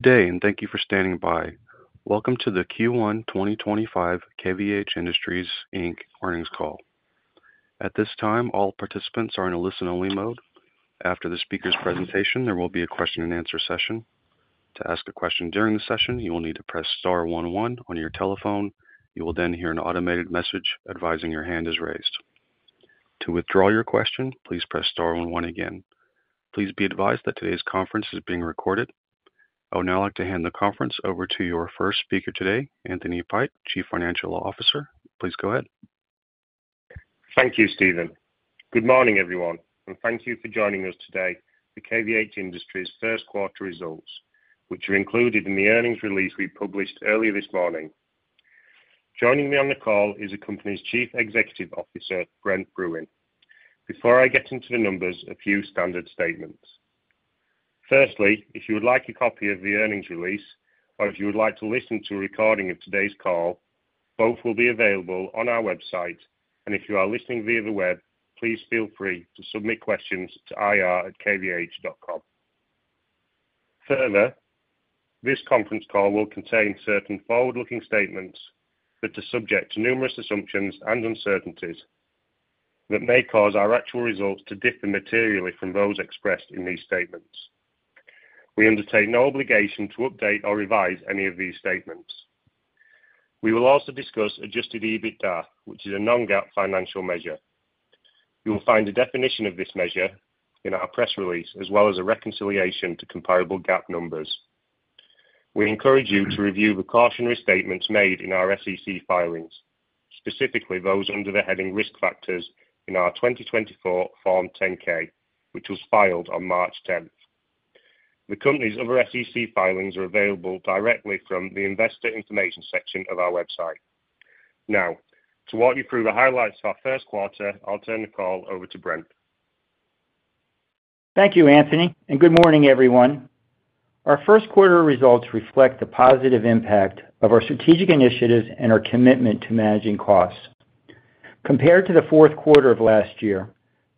Good day, and thank you for standing by. Welcome to the Q1 2025 KVH Industries, Inc. earnings call. At this time, all participants are in a listen-only mode. After the speaker's presentation, there will be a question-and-answer session. To ask a question during the session, you will need to press star one one on your telephone. You will then hear an automated message advising your hand is raised. To withdraw your question, please press star one one again. Please be advised that today's conference is being recorded. I would now like to hand the conference over to your first speaker today, Anthony Pike, Chief Financial Officer. Please go ahead. Thank you, Stephen. Good morning, everyone, and thank you for joining us today for KVH Industries' first quarter results, which are included in the earnings release we published earlier this morning. Joining me on the call is the company's Chief Executive Officer, Brent Bruun. Before I get into the numbers, a few standard statements. Firstly, if you would like a copy of the earnings release or if you would like to listen to a recording of today's call, both will be available on our website. If you are listening via the web, please feel free to submit questions to ir@kvh.com. Further, this conference call will contain certain forward-looking statements that are subject to numerous assumptions and uncertainties that may cause our actual results to differ materially from those expressed in these statements. We undertake no obligation to update or revise any of these statements. We will also discuss adjusted EBITDA, which is a non-GAAP financial measure. You will find a definition of this measure in our press release, as well as a reconciliation to comparable GAAP numbers. We encourage you to review the cautionary statements made in our SEC filings, specifically those under the heading risk factors in our 2024 Form 10-K, which was filed on March 10th. The company's other SEC filings are available directly from the investor information section of our website. Now, to walk you through the highlights of our first quarter, I'll turn the call over to Brent. Thank you, Anthony, and good morning, everyone. Our first quarter results reflect the positive impact of our strategic initiatives and our commitment to managing costs. Compared to the fourth quarter of last year,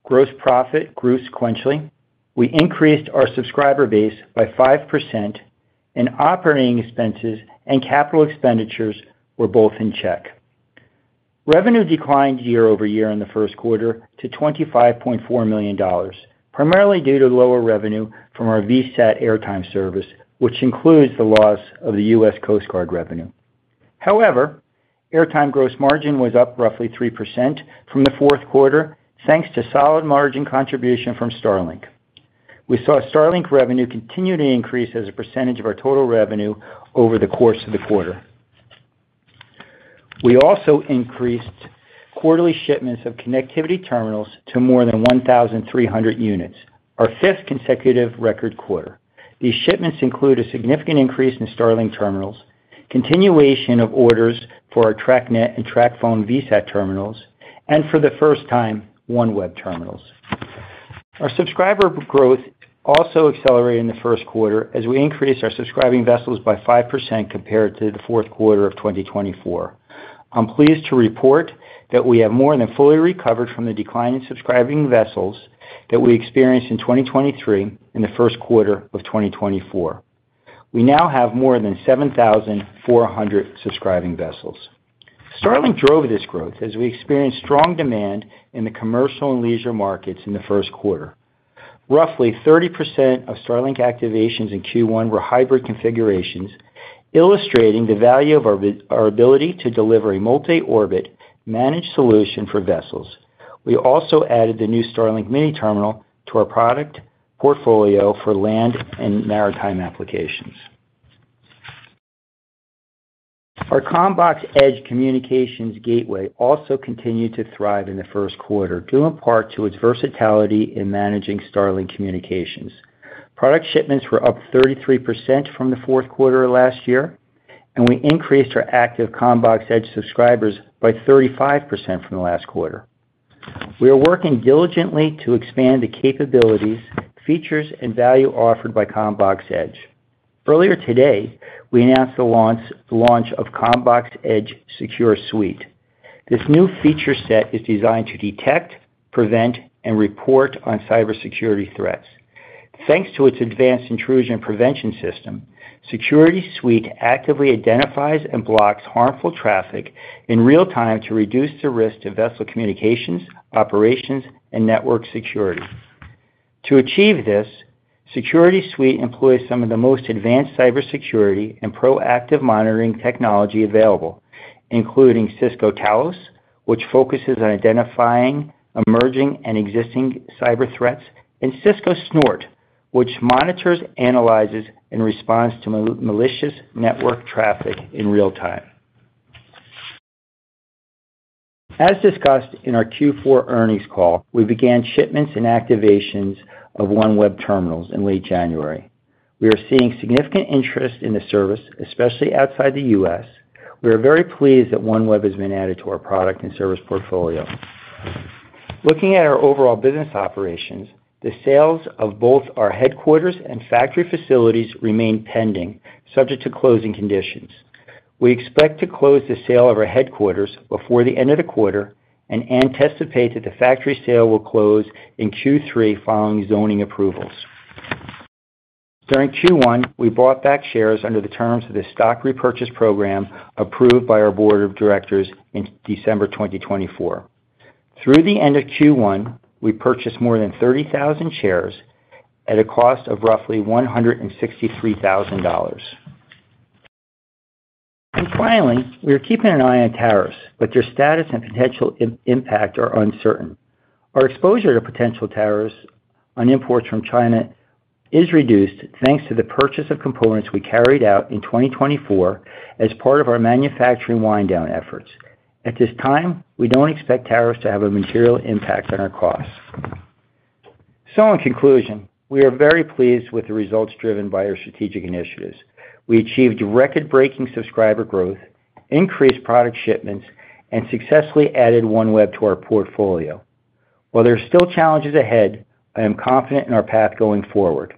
gross profit grew sequentially. We increased our subscriber base by 5%, and operating expenses and capital expenditures were both in check. Revenue declined year-over-year in the first quarter to $25.4 million, primarily due to lower revenue from our VSAT airtime service, which includes the loss of the U.S. Coast Guard revenue. However, airtime gross margin was up roughly 3% from the fourth quarter, thanks to solid margin contribution from Starlink. We saw Starlink revenue continue to increase as a percentage of our total revenue over the course of the quarter. We also increased quarterly shipments of connectivity terminals to more than 1,300 units, our 5th consecutive record quarter. These shipments include a significant increase in Starlink terminals, continuation of orders for our TrackNet and TrackPhone VSAT terminals, and for the first time, OneWeb terminals. Our subscriber growth also accelerated in the first quarter as we increased our subscribing vessels by 5% compared to the fourth quarter of 2024. I'm pleased to report that we have more than fully recovered from the decline in subscribing vessels that we experienced in 2023 in the first quarter of 2024. We now have more than 7,400 subscribing vessels. Starlink drove this growth as we experienced strong demand in the commercial and leisure markets in the first quarter. Roughly 30% of Starlink activations in Q1 were hybrid configurations, illustrating the value of our ability to deliver a multi-orbit managed solution for vessels. We also added the new Starlink mini terminal to our product portfolio for land and maritime applications. Our CommBox Edge Communications Gateway also continued to thrive in the first quarter, due in part to its versatility in managing Starlink communications. Product shipments were up 33% from the fourth quarter of last year, and we increased our active CommBox Edge subscribers by 35% from the last quarter. We are working diligently to expand the capabilities, features, and value offered by CommBox Edge. Earlier today, we announced the launch of CommBox Edge SecureSuite. This new feature set is designed to detect, prevent, and report on cybersecurity threats. Thanks to its advanced intrusion prevention system, SecureSuite actively identifies and blocks harmful traffic in real time to reduce the risk to vessel communications, operations, and network security. To achieve this, SecureSuite employs some of the most advanced cybersecurity and proactive monitoring technology available, including Cisco Talos, which focuses on identifying emerging and existing cyber threats, and Cisco Snort, which monitors, analyzes, and responds to malicious network traffic in real time. As discussed in our Q4 earnings call, we began shipments and activations of OneWeb terminals in late January. We are seeing significant interest in the service, especially outside the U.S.. We are very pleased that OneWeb has been added to our product and service portfolio. Looking at our overall business operations, the sales of both our headquarters and factory facilities remain pending, subject to closing conditions. We expect to close the sale of our headquarters before the end of the quarter and anticipate that the factory sale will close in Q3 following zoning approvals. During Q1, we bought back shares under the terms of the stock repurchase program approved by our board of directors in December 2024. Through the end of Q1, we purchased more than 30,000 shares at a cost of roughly $163,000. We are keeping an eye on tariffs, but their status and potential impact are uncertain. Our exposure to potential tariffs on imports from China is reduced thanks to the purchase of components we carried out in 2024 as part of our manufacturing wind-down efforts. At this time, we do not expect tariffs to have a material impact on our costs. In conclusion, we are very pleased with the results driven by our strategic initiatives. We achieved record-breaking subscriber growth, increased product shipments, and successfully added OneWeb to our portfolio. While there are still challenges ahead, I am confident in our path going forward.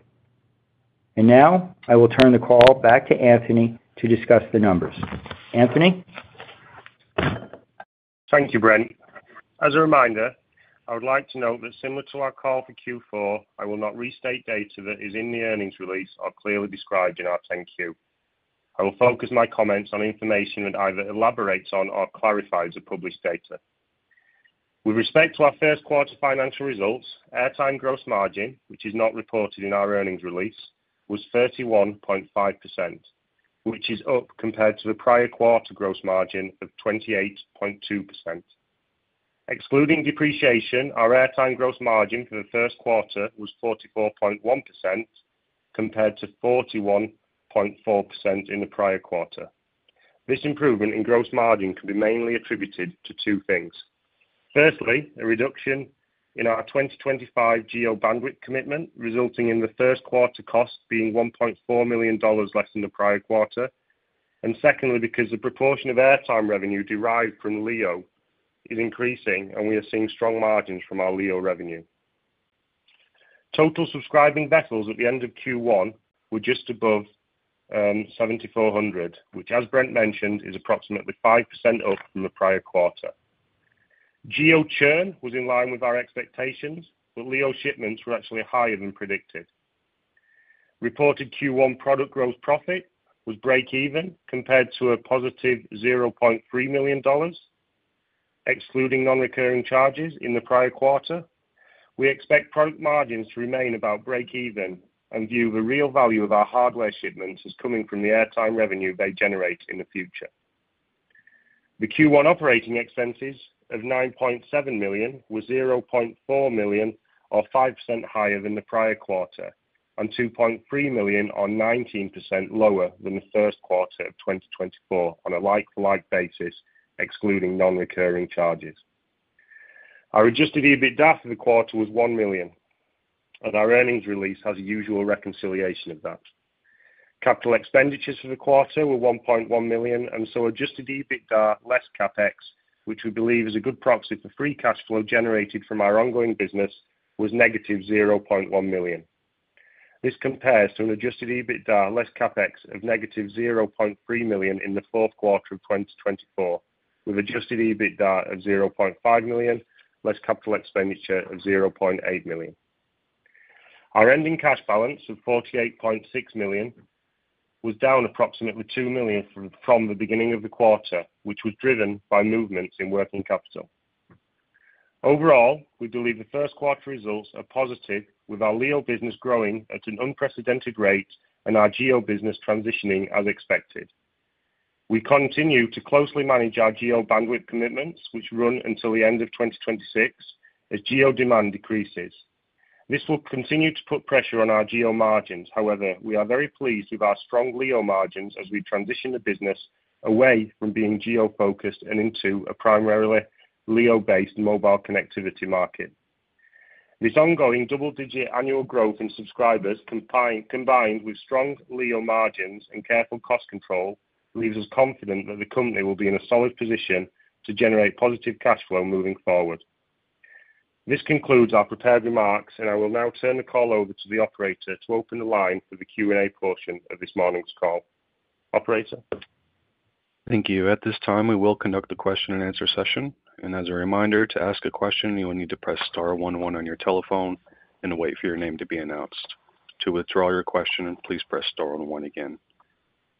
Now, I will turn the call back to Anthony to discuss the numbers. Anthony? Thank you, Brent. As a reminder, I would like to note that, similar to our call for Q4, I will not restate data that is in the earnings release or clearly described in our 10-Q. I will focus my comments on information that either elaborates on or clarifies the published data. With respect to our first quarter financial results, airtime gross margin, which is not reported in our earnings release, was 31.5%, which is up compared to the prior quarter gross margin of 28.2%. Excluding depreciation, our airtime gross margin for the first quarter was 44.1% compared to 41.4% in the prior quarter. This improvement in gross margin can be mainly attributed to two things. Firstly, a reduction in our 2025 GEO-bandwidth commitment, resulting in the first quarter costs being $1.4 million less than the prior quarter. Secondly, because the proportion of airtime revenue derived from LEO is increasing, and we are seeing strong margins from our LEO revenue. Total subscribing vessels at the end of Q1 were just above 7,400, which, as Brent mentioned, is approximately 5% up from the prior quarter. GEO churn was in line with our expectations, but LEO shipments were actually higher than predicted. Reported Q1 product gross profit was break-even compared to a +$0.3 million, excluding non-recurring charges in the prior quarter. We expect product margins to remain about break-even and view the real value of our hardware shipments as coming from the airtime revenue they generate in the future. The Q1 operating expenses of $9.7 million were $0.4 million or 5% higher than the prior quarter, and $2.3 million or 19% lower than the first quarter of 2024 on a like-for-like basis, excluding non-recurring charges. Our adjusted EBITDA for the quarter was $1 million, and our earnings release has a usual reconciliation of that. Capital expenditures for the quarter were $1.1 million, and so adjusted EBITDA less capex, which we believe is a good proxy for free cash flow generated from our ongoing business, was negative $0.1 million. This compares to an adjusted EBITDA less capex of -$0.3 million in the fourth quarter of 2024, with adjusted EBITDA of $0.5 million less capital expenditure of $0.8 million. Our ending cash balance of $48.6 million was down approximately $2 million from the beginning of the quarter, which was driven by movements in working capital. Overall, we believe the first quarter results are positive, with our LEO business growing at an unprecedented rate and our GEO business transitioning as expected. We continue to closely manage our GEO-bandwidth commitments, which run until the end of 2026, as GEO demand decreases. This will continue to put pressure on our GEO margins. However, we are very pleased with our strong LEO margins as we transition the business away from being GEO-focused and into a primarily LEO-based mobile connectivity market. This ongoing double-digit annual growth in subscribers, combined with strong LEO margins and careful cost control, leaves us confident that the company will be in a solid position to generate positive cash flow moving forward. This concludes our prepared remarks, and I will now turn the call over to the operator to open the line for the Q&A portion of this morning's call. Operator. Thank you. At this time, we will conduct the question-and-answer session. As a reminder, to ask a question, you will need to press star one one on your telephone and wait for your name to be announced. To withdraw your question, please press star one one again.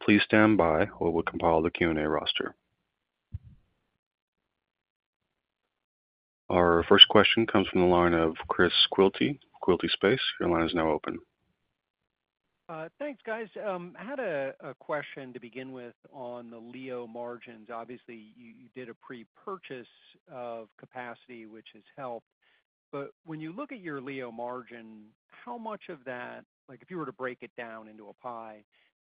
Please stand by while we compile the Q&A roster. Our first question comes from the line of Chris Quilty from Quilty Space. Your line is now open. Thanks, guys. I had a question to begin with on the LEO margins. Obviously, you did a pre-purchase of capacity, which has helped. But when you look at your LEO margin, how much of that, if you were to break it down into a pie,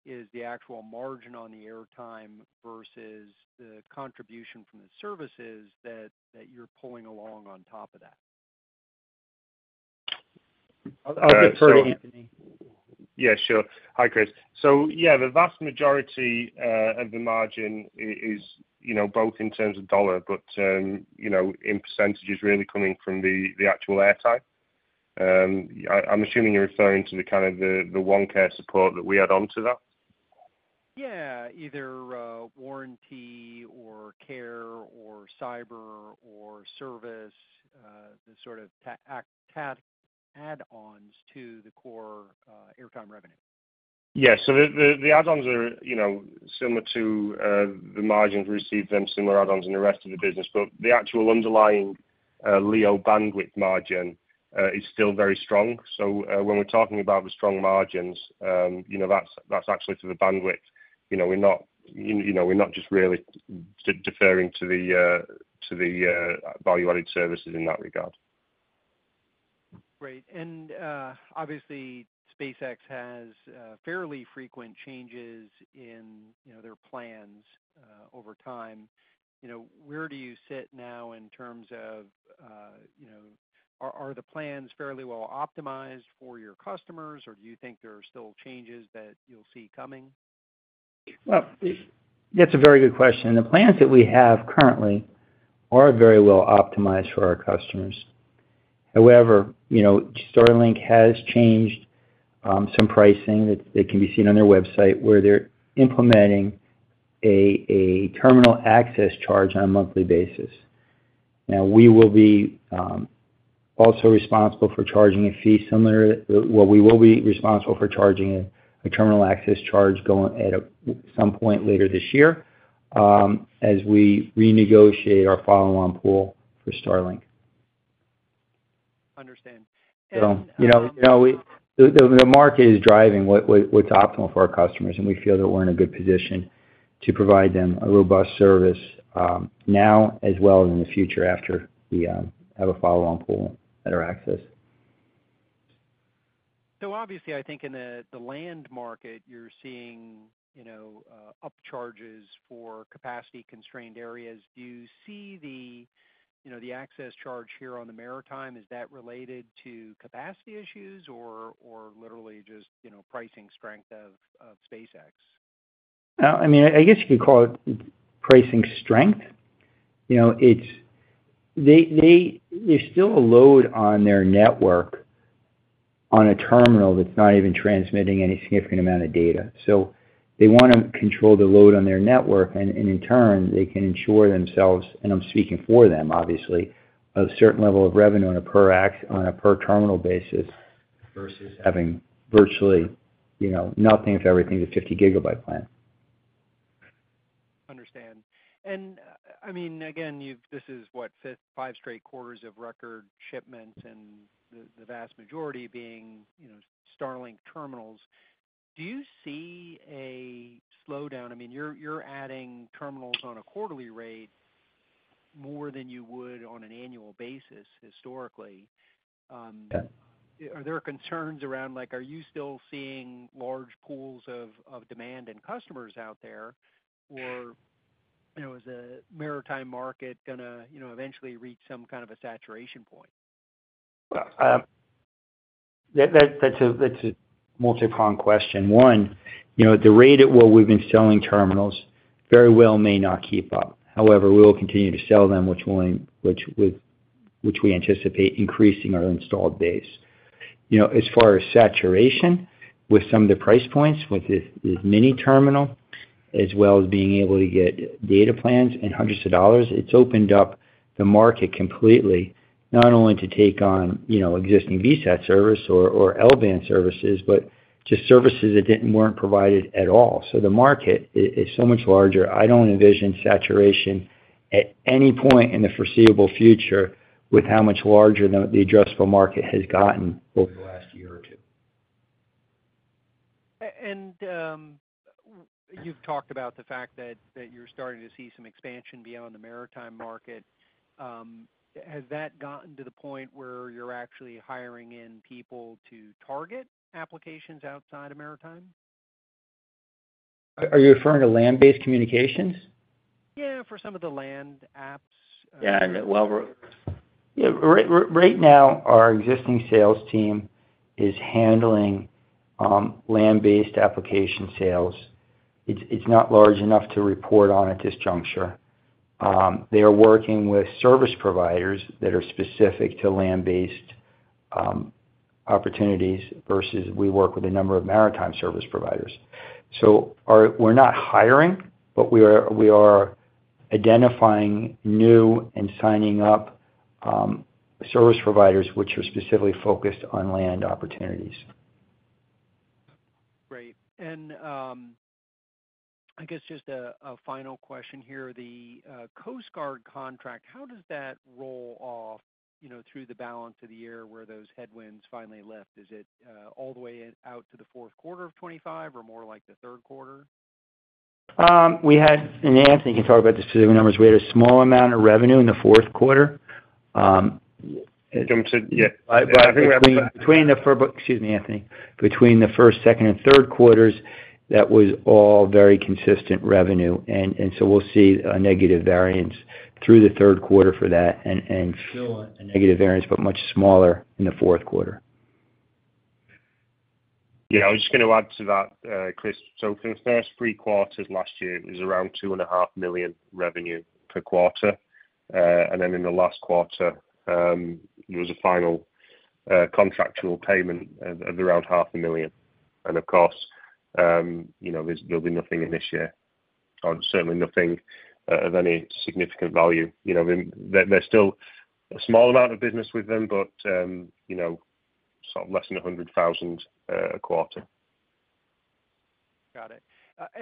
is the actual margin on the airtime versus the contribution from the services that you're pulling along on top of that? I'll get through to Anthony. Yeah, sure. Hi, Chris. Yeah, the vast majority of the margin is both in terms of dollar, but in percentage, is really coming from the actual airtime. I'm assuming you're referring to the kind of the OneCare support that we add on to that? Yeah, either Warranty or Care or Cyber or Service, the sort of add-ons to the core airtime revenue. Yeah. The add-ons are similar to the margins. We receive similar add-ons in the rest of the business, but the actual underlying LEO bandwidth margin is still very strong. When we're talking about the strong margins, that's actually for the bandwidth. We're not just really deferring to the value-added services in that regard. Great. Obviously, SpaceX has fairly frequent changes in their plans over time. Where do you sit now in terms of, are the plans fairly well optimized for your customers, or do you think there are still changes that you'll see coming? That's a very good question. The plans that we have currently are very well optimized for our customers. However, Starlink has changed some pricing that can be seen on their website, where they're implementing a terminal access charge on a monthly basis. Now, we will be also responsible for charging a fee similar. We will be responsible for charging a terminal access charge at some point later this year as we renegotiate our follow-on pool for Starlink. Understand. And... The market is driving what's optimal for our customers, and we feel that we're in a good position to provide them a robust service now as well as in the future after we have a follow-on pool at our access. Obviously, I think in the land market, you're seeing upcharges for capacity-constrained areas. Do you see the access charge here on the maritime? Is that related to capacity issues or literally just pricing strength of SpaceX? I mean, I guess you could call it pricing strength. There's still a load on their network on a terminal that's not even transmitting any significant amount of data. They want to control the load on their network, and in turn, they can ensure themselves, and I'm speaking for them, obviously, a certain level of revenue on a per-terminal basis versus having virtually nothing if everything's a 50 GB plan. Understand. I mean, again, this is, what, five straight quarters of record shipments and the vast majority being Starlink terminals. Do you see a slowdown? I mean, you're adding terminals on a quarterly rate more than you would on an annual basis historically. Are there concerns around, are you still seeing large pools of demand and customers out there, or is the maritime market going to eventually reach some kind of a saturation point? That's a multi-pronged question. One, the rate at what we've been selling terminals very well may not keep up. However, we will continue to sell them, which we anticipate increasing our installed base. As far as saturation, with some of the price points with this mini terminal, as well as being able to get data plans in hundreds of dollars, it's opened up the market completely, not only to take on existing VSAT service or LBAN services, but just services that weren't provided at all. The market is so much larger. I don't envision saturation at any point in the foreseeable future with how much larger the addressable market has gotten over the last year or two. You've talked about the fact that you're starting to see some expansion beyond the maritime market. Has that gotten to the point where you're actually hiring in people to target applications outside of maritime? Are you referring to land-based communications? Yeah, for some of the land apps. Yeah. Right now, our existing sales team is handling land-based application sales. It's not large enough to report on at this juncture. They are working with service providers that are specific to land-based opportunities versus we work with a number of maritime service providers. We're not hiring, but we are identifying new and signing up service providers which are specifically focused on land opportunities. Great. I guess just a final question here. The Coast Guard contract, how does that roll off through the balance of the year where those headwinds finally lift? Is it all the way out to the fourth quarter of 2025 or more like the third quarter? We had, and Anthony can talk about the specific numbers. We had a small amount of revenue in the fourth quarter. Jumped to, yeah. Between the—excuse me, Anthony. Between the first, second, and third quarters, that was all very consistent revenue. We will see a negative variance through the third quarter for that and still a negative variance, but much smaller in the fourth quarter. Yeah. I was just going to add to that, Chris. For the first three quarters last year, it was around $2.5 million revenue per quarter. In the last quarter, there was a final contractual payment of around $500,000. Of course, there will be nothing in this year, or certainly nothing of any significant value. There is still a small amount of business with them, but sort of less than $100,000 a quarter. Got it.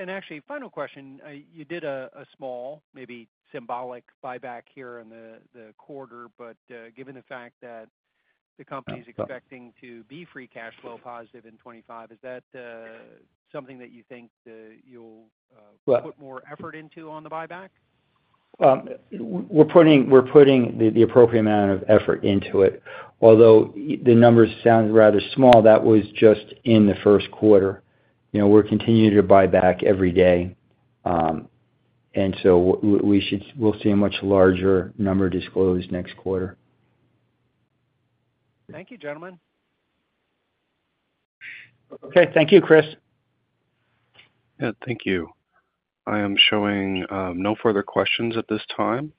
Actually, final question. You did a small, maybe symbolic buyback here in the quarter, but given the fact that the company's expecting to be free cash flow positive in 2025, is that something that you think you'll put more effort into on the buyback? We're putting the appropriate amount of effort into it. Although the number sounds rather small, that was just in the first quarter. We're continuing to buy back every day. We'll see a much larger number disclosed next quarter. Thank you, gentlemen. Okay. Thank you, Chris. Yeah. Thank you. I am showing no further questions at this time.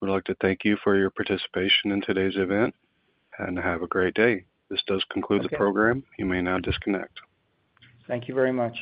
We'd like to thank you for your participation in today's event and have a great day. This does conclude the program. You may now disconnect. Thank you very much.